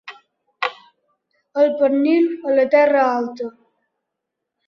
El pernil a la Terra Alta.